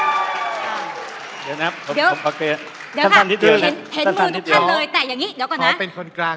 เดี๋ยวนะครับผมพักเรียน